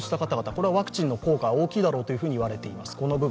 これはワクチンの効果は大きいだろうと言われています。